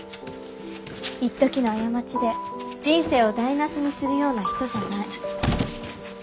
一時の過ちで人生を台なしにするような人じゃない。